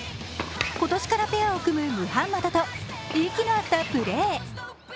今年からペアを組むムハンマドと息の合ったプレー。